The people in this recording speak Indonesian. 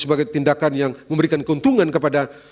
sebagai tindakan yang memberikan keuntungan kepada